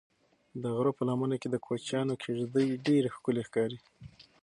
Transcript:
د غره په لمنه کې د کوچیانو کيږدۍ ډېرې ښکلي ښکاري.